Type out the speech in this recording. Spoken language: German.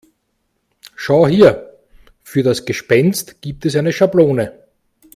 Schau hier, für das Gespenst gibt es eine Schablone.